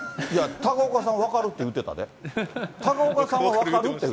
高岡さんは分かるって言うてた。